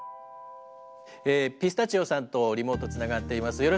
ピスタチオさんとリモートつながっています。